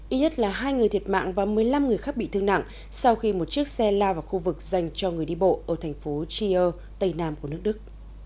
ít nhất là hai người thiệt mạng và một mươi năm người khác bị thương nặng sau khi một chiếc xe lao vào khu vực dành cho người đi bộ ở thành phố chio tây nam của nước đức